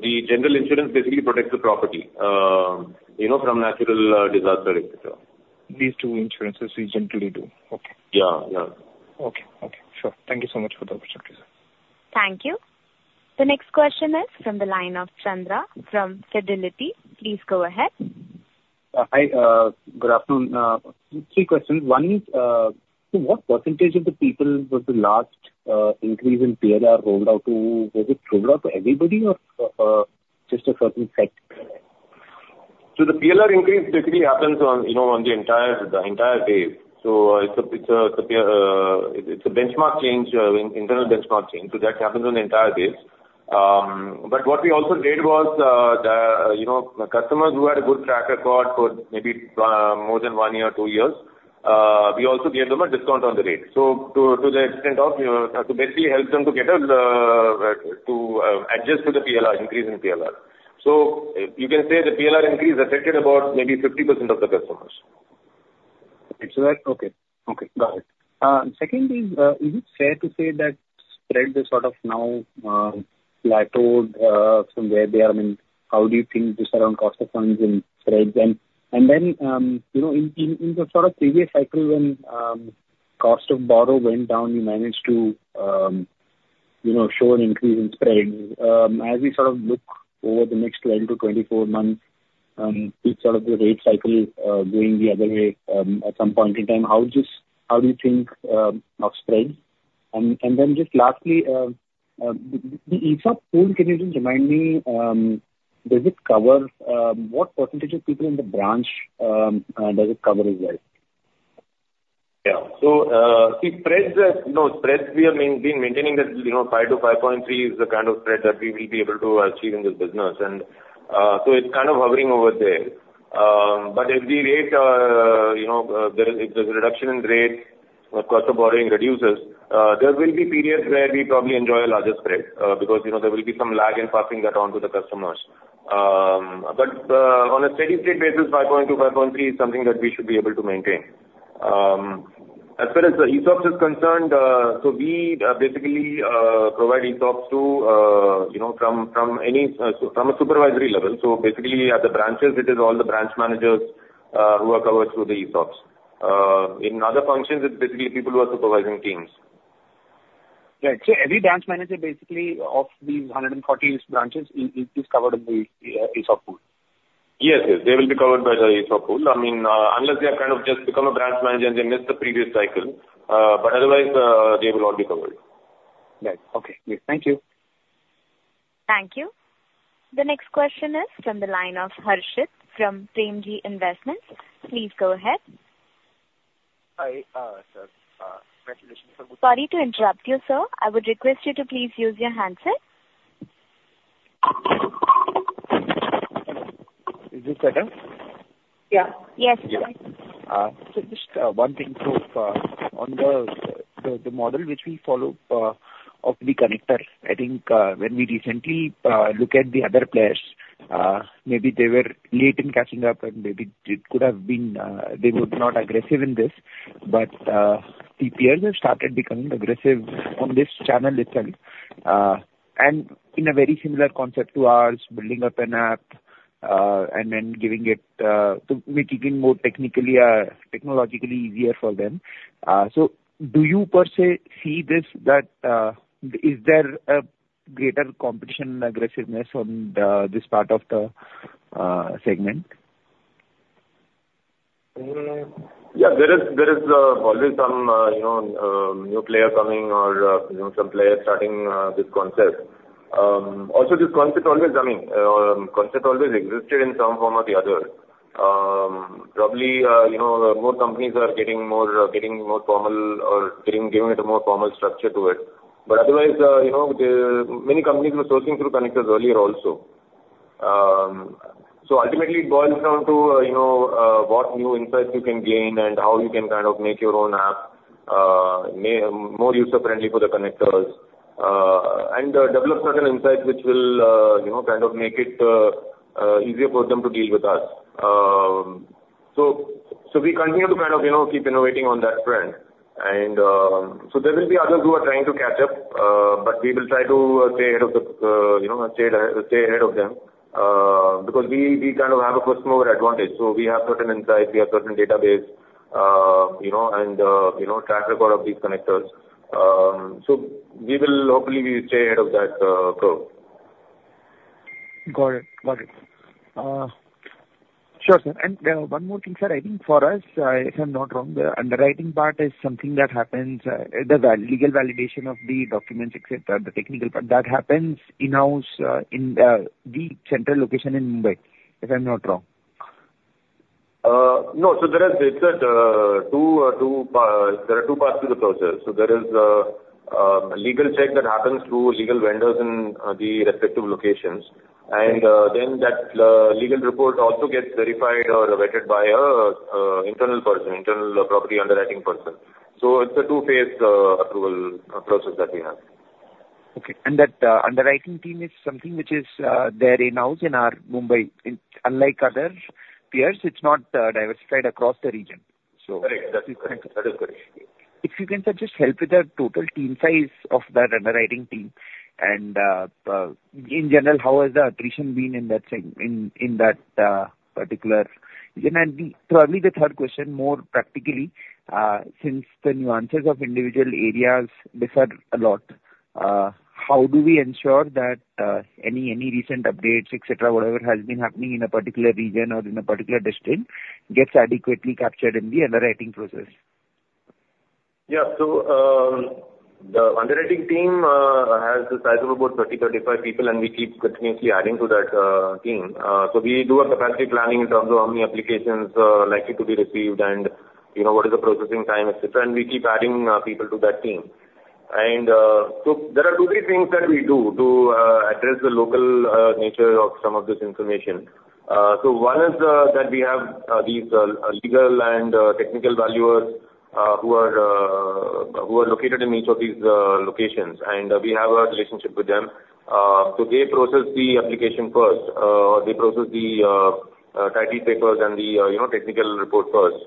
the general insurance basically protects the property, you know, from natural disaster, et cetera. These two insurances we generally do. Okay. Yeah. Yeah. Okay. Okay. Sure. Thank you so much for the opportunity, sir. Thank you. The next question is from the line of Chandra from Fidelity. Please go ahead. Hi, good afternoon. Three questions. One is, so what percentage of the people was the last increase in PLR rolled out to? Was it rolled out to everybody or just a certain set? So the PLR increase basically happens on, you know, on the entire, the entire base. So, it's a benchmark change, internal benchmark change, so that happens on the entire base. But what we also did was, the, you know, the customers who had a good track record for maybe, more than one year, two years, we also gave them a discount on the rate. So to the extent of, you know, so basically helps them to get a, to adjust to the PLR, increase in PLR. So you can say the PLR increase affected about maybe 50% of the customers. It's that? Okay. Okay, got it. Secondly, is it fair to say that spreads are sort of now, plateaued, from where they are? I mean, how do you think this around cost of funds and spreads? And then, you know, in the sort of previous cycle when, cost of borrow went down, you managed to, you know, show an increase in spreads. As we sort of look over the next twelve to twenty-four months, with sort of the rate cycle, going the other way, at some point in time, how does... How do you think, of spreads? And then just lastly, the ESOP pool, can you just remind me, does it cover, what percentage of people in the branch, does it cover as well? Yeah. So, see, spreads are, you know, spreads we have been maintaining that, you know, 5-5.3 is the kind of spread that we will be able to achieve in this business. And, so it's kind of hovering over there. But if the rate, you know, there is, if there's a reduction in rate or cost of borrowing reduces, there will be periods where we probably enjoy a larger spread, because, you know, there will be some lag in passing that on to the customers. But, on a steady-state basis, 5.2-5.3 is something that we should be able to maintain. As far as the ESOPs is concerned, so we basically provide ESOPs to, you know, from any, from a supervisory level. So basically, at the branches, it is all the branch managers who are covered through the ESOPs. In other functions, it's basically people who are supervising teams. Right. So every branch manager, basically, of these 140 branches is covered in the ESOP pool? Yes, yes. They will be covered by the ESOP pool. I mean, unless they have kind of just become a branch manager and they missed the previous cycle. But otherwise, they will all be covered. Right. Okay, great. Thank you. Thank you. The next question is from the line of Harshit from Premji Invest. Please go ahead. Hi, sir. Congratulations on- Sorry to interrupt you, sir. I would request you to please use your handset. Is this better? Yeah. Yes, go ahead. Yeah. So just one thing, so on the model which we follow of the connector, I think when we recently look at the other players, maybe they were late in catching up, and maybe it could have been they were not aggressive in this, but the peers have started becoming aggressive on this channel itself... and in a very similar concept to ours, building up an app, and then giving it to making more technically technologically easier for them. So do you per se see this, that is there a greater competition aggressiveness on this part of the segment? Yeah, there is always some, you know, new player coming or, you know, some players starting this concept. Also this concept always, I mean, concept always existed in some form or the other. Probably, you know, more companies are getting more formal or giving it a more formal structure to it. But otherwise, you know, the many companies were sourcing through connectors earlier also. So ultimately it boils down to, you know, what new insights you can gain and how you can kind of make your own app more user-friendly for the connectors. And develop certain insights which will, you know, kind of make it easier for them to deal with us. So we continue to kind of, you know, keep innovating on that front. So there will be others who are trying to catch up, but we will try to stay ahead of the, you know, stay ahead of them. Because we kind of have a customer advantage, so we have certain insights, we have certain database, you know, and you know, track record of these connectors. So we will hopefully stay ahead of that curve. Got it. Got it. Sure, sir. And one more thing, sir. I think for us, if I'm not wrong, the underwriting part is something that happens, the valuation, legal validation of the documents, et cetera, the technical part, that happens in-house, in the central location in Mumbai, if I'm not wrong. No. So there are two parts to the process. There is legal check that happens through legal vendors in the respective locations. And then that legal report also gets verified or vetted by a internal person, internal property underwriting person. So it's a two-phase approval process that we have. Okay, and that underwriting team is something which is there in-house in our Mumbai. It's unlike other peers, it's not diversified across the region, so. Correct. That is correct. That is correct. If you can, sir, just help with the total team size of that underwriting team and, in general, how has the attrition been in that particular? And then, probably the third question, more practically, since the nuances of individual areas differ a lot, how do we ensure that, any recent updates, et cetera, whatever has been happening in a particular region or in a particular district, gets adequately captured in the underwriting process? Yeah. So, the underwriting team has a size of about thirty, thirty-five people, and we keep continuously adding to that team. So we do a capacity planning in terms of how many applications likely to be received, and, you know, what is the processing time, et cetera, and we keep adding people to that team. And so there are two, three things that we do to address the local nature of some of this information. So one is that we have these legal and technical valuers who are located in each of these locations, and we have a relationship with them. So they process the application first, they process the title papers and the, you know, technical report first.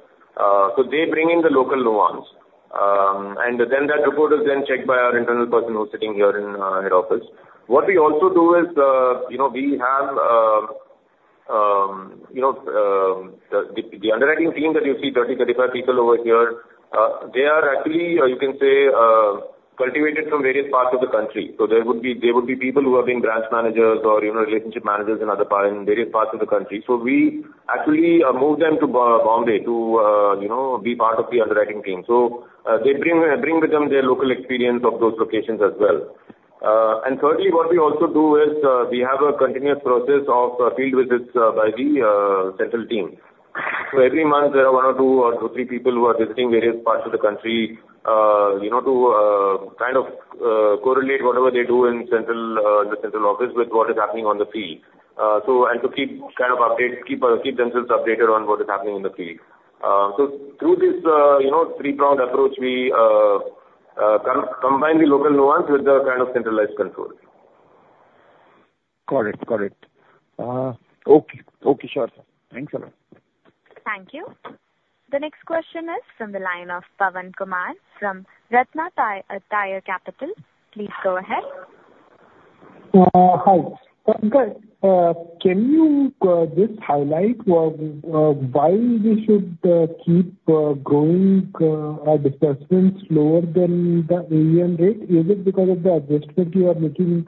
So they bring in the local nuance, and then that report is then checked by our internal person who is sitting here in our head office. What we also do is, you know, we have the underwriting team that you see, 35 people over here. They are actually, you can say, cultivated from various parts of the country. So there would be people who have been branch managers or, you know, relationship managers in various parts of the country. So we actually move them to Bombay to, you know, be part of the underwriting team. So, they bring with them their local experience of those locations as well. And thirdly, what we also do is, we have a continuous process of field visits by the central team. So every month there are one or two, or two, three people who are visiting various parts of the country, you know, to kind of correlate whatever they do in central, the central office with what is happening on the field. So and to keep kind of updated, keep themselves updated on what is happening in the field. So through this, you know, three-pronged approach, we combine the local nuance with the kind of centralized control. Got it. Got it. Okay. Okay, sure. Thanks a lot. Thank you. The next question is from the line of Pavan Kumar from Ratnatraya Capital. Please go ahead. Hi. Can you just highlight why we should keep growing our disbursements lower than the AUM rate? Is it because of the adjustment you are making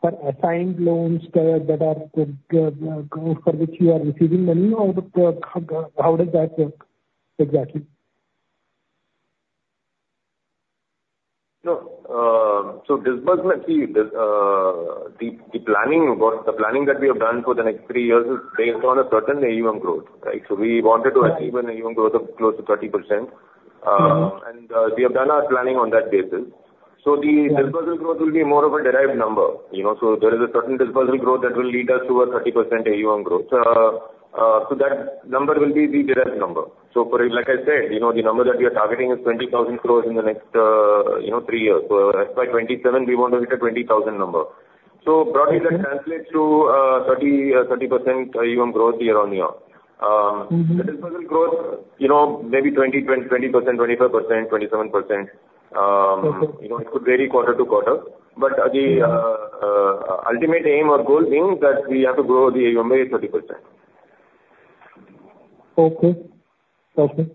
for assigned loans that are for which you are receiving money? Or how does that work exactly? No, so disbursement, the planning that we have done for the next three years is based on a certain AUM growth, right? So we wanted to achieve an AUM growth of close to 30%. Mm-hmm. And we have done our planning on that basis. So the- Yeah. Disbursement growth will be more of a derived number, you know? So there is a certain disbursement growth that will lead us to a 30% AUM growth. So that number will be the derived number. So for, like I said, you know, the number that we are targeting is 20,000 crores in the next, you know, three years. So, by 2027, we want to hit a 20,000 number. So broadly, that translates to, 30% AUM growth year on year. Mm-hmm. The growth, you know, maybe 20%, 25%, 27%. Okay. You know, it could vary quarter to quarter. Mm-hmm. But the ultimate aim or goal being that we have to grow the AUM by 30%. Okay. Okay.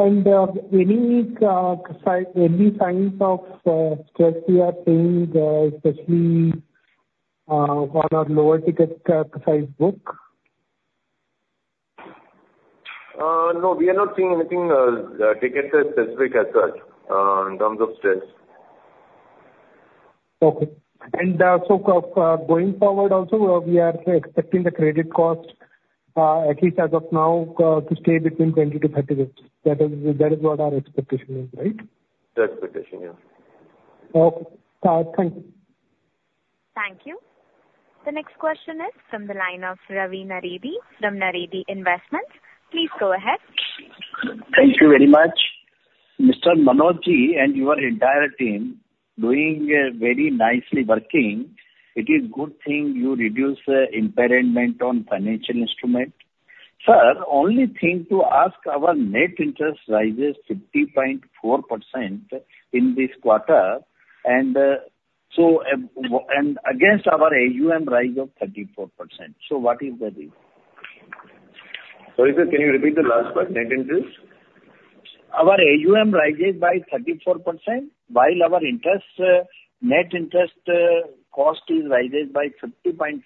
And, any sign, any signs of stress we are seeing, especially on our lower ticket size book? No, we are not seeing anything ticket-specific as such in terms of stress. Okay. And so, going forward, also, we are expecting the credit cost, at least as of now, to stay between 20%-30%. That is what our expectation is, right? The expectation, yeah. Okay. Thank you. Thank you. The next question is from the line of Ravi Nareddy from Nareddy Investments. Please go ahead. Thank you very much. Mr. Manoj Ji, and your entire team doing very nicely working. It is good thing you reduce impairment on financial instrument. Sir, only thing to ask, our net interest rises 50.4% in this quarter, and so and against our AUM rise of 34%. So what is the reason? Sorry, sir, can you repeat the last part, net interest? Our AUM rises by 34%, while our interest, net interest, cost is rises by 50.4%.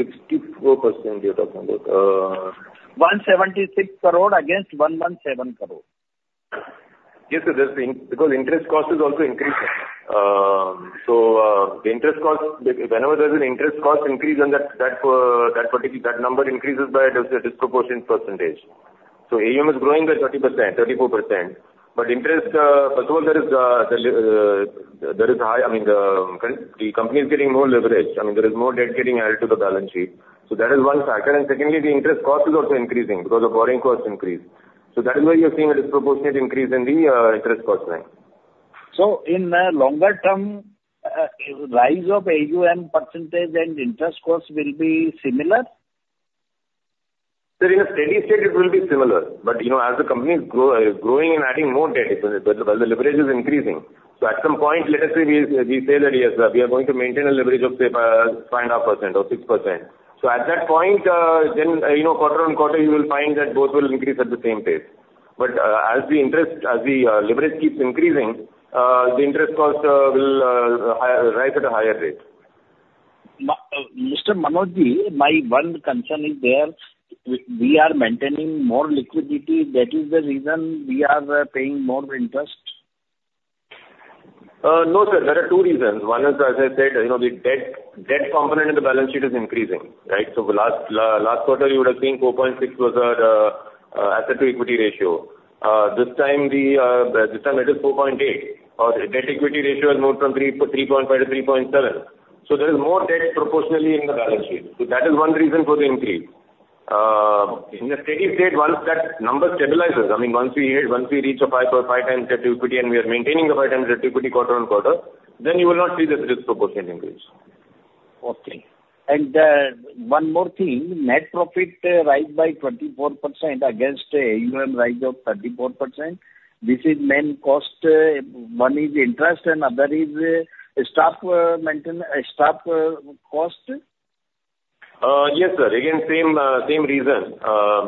64% you're talking about, 176 crore against 117 crore. Yes, sir, that's the increase because interest cost is also increasing. So the interest cost, whenever there's an interest cost increase, then that number increases by a disproportionate percentage. So AUM is growing by 30%, 34%, but interest, first of all, there is higher, I mean, the company is getting more leverage. I mean, there is more debt getting added to the balance sheet, so that is one factor. And secondly, the interest cost is also increasing because of borrowing costs increase. So that is why you're seeing a disproportionate increase in the interest cost line. So in the longer term, rise of AUM percentage and interest costs will be similar? So in a steady state it will be similar, but, you know, as the company is growing and adding more debt, the leverage is increasing. So at some point, let us say, we say that, yes, we are going to maintain a leverage of, say, 5.5% or 6%. So at that point, then, you know, quarter on quarter, you will find that both will increase at the same pace. But, as the leverage keeps increasing, the interest cost will rise at a higher rate. Mr. Manoj Ji, my one concern is there, we are maintaining more liquidity. That is the reason we are paying more interest? No, sir, there are two reasons. One is, as I said, you know, the debt component in the balance sheet is increasing, right? So the last quarter, you would have seen four point six was our asset to equity ratio. This time it is four point eight. Our debt equity ratio has moved from three to three point five to three point seven. So there is more debt proportionally in the balance sheet. So that is one reason for the increase. In the steady state, once that number stabilizes, I mean, once we hit, once we reach a five times debt to equity, and we are maintaining the five times debt to equity quarter on quarter, then you will not see this disproportionate increase. Okay. And one more thing, net profit rise by 24% against AUM rise of 34%. This is main cost. One is interest and other is staff maintenance cost? Yes, sir. Again, same reason,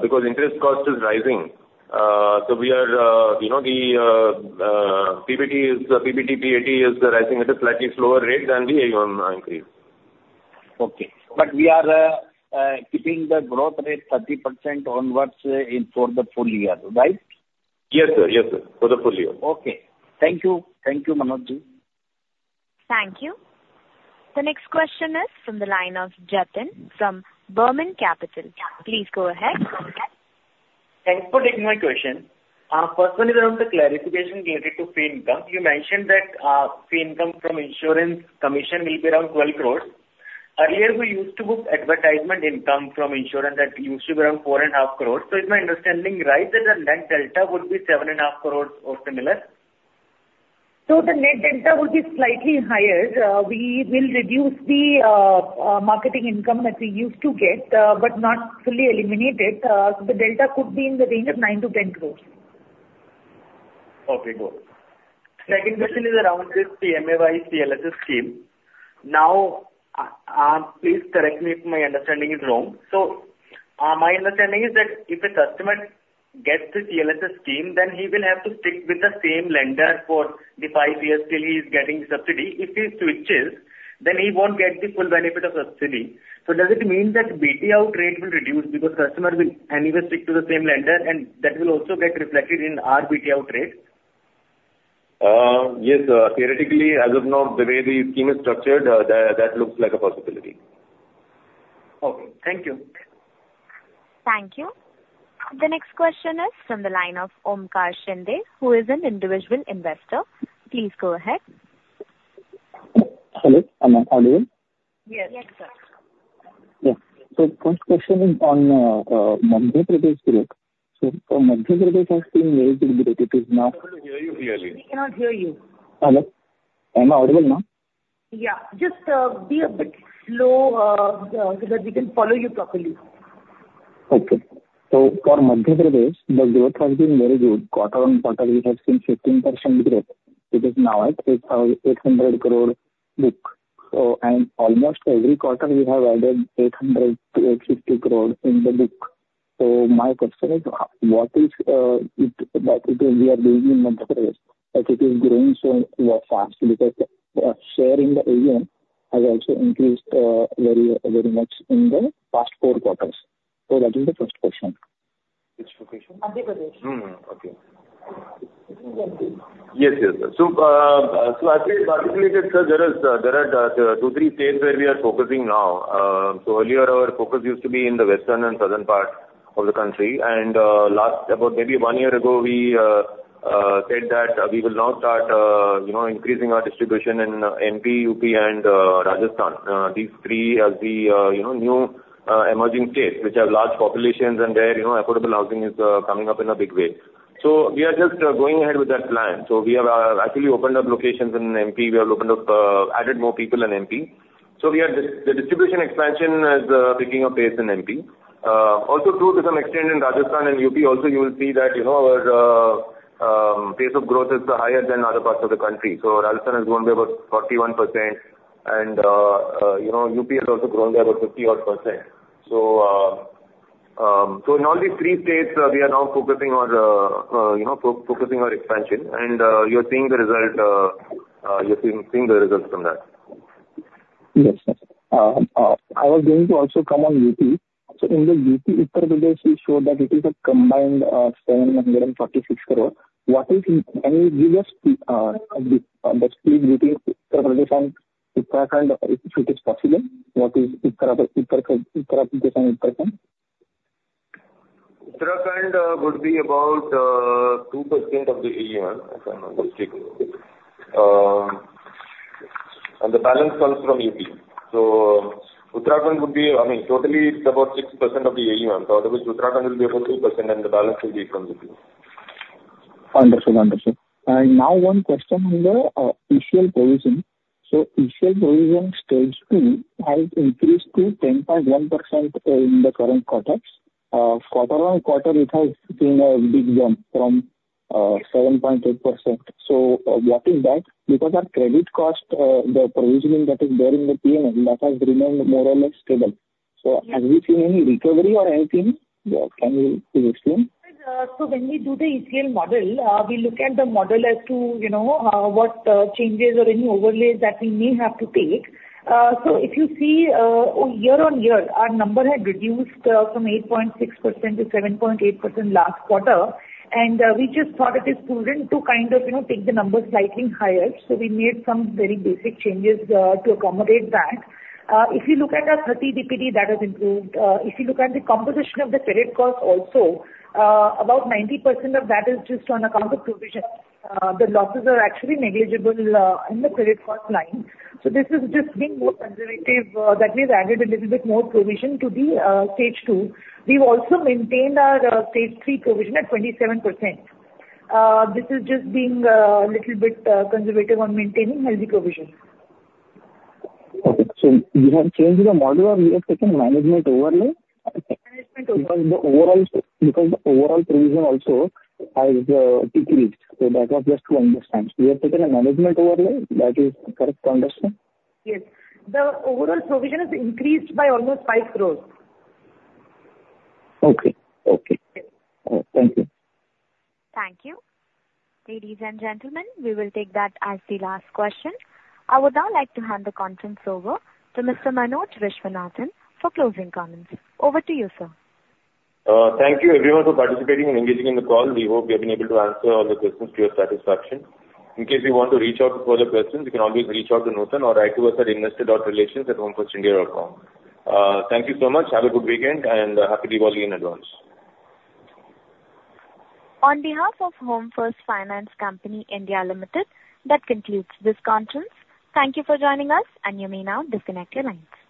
because interest cost is rising. So we are, you know, the PBT, PAT is rising at a slightly slower rate than the AUM increase. Okay. But we are keeping the growth rate 30% onwards in for the full year, right? Yes, sir. Yes, sir, for the full year. Okay. Thank you. Thank you, Manoj Ji. Thank you. The next question is from the line of Jatin, from Burman Capital. Please go ahead. Thank you for taking my question. First one is around the clarification related to fee income. You mentioned that fee income from insurance commission will be around 12 crores. Earlier, we used to book advertisement income from insurance that used to be around 4.5 crores. So is my understanding right, that the net delta would be 7.5 crores or similar? So the net delta will be slightly higher. We will reduce the marketing income that we used to get, but not fully eliminate it. So the delta could be in the range of 9-10 crores. Okay, good. Second question is around this PMAY CLSS scheme. Now, please correct me if my understanding is wrong. So, my understanding is that if a customer gets the CLSS scheme, then he will have to stick with the same lender for the five years till he's getting the subsidy. If he switches, then he won't get the full benefit of subsidy. So does it mean that BT out rate will reduce because customer will anyway stick to the same lender, and that will also get reflected in our BT out rate? Yes, theoretically, as of now, the way the scheme is structured, that looks like a possibility. Okay, thank you. Thank you. The next question is from the line of Omkar Shinde, who is an individual investor. Please go ahead. Hello, am I, am I in? Yes. Yes, sir.... Yeah. So first question is on Madhya Pradesh growth. So for Madhya Pradesh has been very good, it is now- We cannot hear you clearly. We cannot hear you. Hello? Am I audible now? Yeah. Just be a bit slow, so that we can follow you properly. Okay. So for Madhya Pradesh, the growth has been very good. Quarter on quarter, we have seen 15% growth, which is now at INR 800 crore book. So, and almost every quarter, we have added 800 crore-860 crore in the book. So my question is, what is it that it is we are doing in Madhya Pradesh, that it is growing so fast? Because share in the area has also increased very, very much in the past four quarters. So that is the first question. Which location? Madhya Pradesh. Mm, okay. Madhya Pradesh. Yes, yes, sir. So as we participated, sir, there is, there are, two, three states where we are focusing now. So earlier, our focus used to be in the western and southern part of the country, and last, about maybe one year ago, we said that we will now start, you know, increasing our distribution in MP, UP and Rajasthan. These three are the, you know, new, emerging states which have large populations and where, you know, affordable housing is coming up in a big way. So we are just going ahead with that plan. So we have actually opened up locations in MP. We have opened up, added more people in MP. So the distribution expansion is picking up pace in MP. Also true to some extent in Rajasthan and UP also, you will see that, you know, our pace of growth is higher than other parts of the country. So Rajasthan has grown by about 41% and, you know, UP has also grown by about 50 odd %. So in all these three states, we are now focusing on, you know, focusing on expansion and, you're seeing the results from that. Yes, sir. I was going to also comment on UP. So in the UP, Uttar Pradesh, we showed that it is a combined 746 crore. Can you give us the split between Uttar Pradesh and Uttarakhand, if it is possible? What is Uttar Pradesh and Uttarakhand? Uttarakhand would be about 2% of the AUM, if I remember correctly. And the balance comes from UP. So Uttarakhand would be, I mean, totally it's about 6% of the AUM. So otherwise, Uttarakhand will be about 2%, and the balance will be from UP. Understood. Understood. And now one question on the ECL provision. So ECL provision Stage 2 has increased to 10.1% in the current quarter. Quarter on quarter, it has been a big jump from 7.8%. So, what is that? Because our credit cost, the provisioning that is there in the PNL, that has remained more or less stable. So have we seen any recovery or anything? Can you please explain? So when we do the ECL model, we look at the model as to, you know, what changes or any overlays that we may have to take. So if you see, year on year, our number had reduced from 8.6% to 7.8% last quarter, and we just thought it is prudent to kind of, you know, take the numbers slightly higher. So we made some very basic changes to accommodate that. If you look at our 30 DPD, that has improved. If you look at the composition of the credit cost also, about 90% of that is just on account of provision. The losses are actually negligible in the credit cost line. So this is just being more conservative, that we've added a little bit more provision to the, Stage 2. We've also maintained our, Stage 3 provision at 27%. This is just being, little bit, conservative on maintaining healthy provision. Okay, so you have changed the model or you have taken management overlay? Management overlay. Because the overall provision also has decreased. So that was just to understand. We have taken a management overlay, that is correct understanding? Yes. The overall provision has increased by almost five crores. Okay. Okay. Yes. Thank you. Thank you. Ladies and gentlemen, we will take that as the last question. I would now like to hand the conference over to Mr. Manoj Viswanathan for closing comments. Over to you, sir. Thank you everyone for participating and engaging in the call. We hope we have been able to answer all the questions to your satisfaction. In case you want to reach out with further questions, you can always reach out to Nupur or write to us at investor.relations@homefirstindia.com. Thank you so much. Have a good weekend and happy Diwali in advance. On behalf of Home First Finance Company India Limited, that concludes this conference. Thank you for joining us, and you may now disconnect your lines.